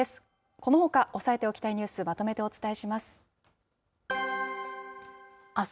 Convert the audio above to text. このほか、押さえておきたいニュース、まとめてお伝えします。